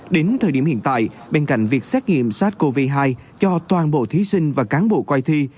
đến thời điểm hiện tại bên cạnh việc xét nghiệm sars cov hai cho toàn bộ thí sinh và cán bộ coi thi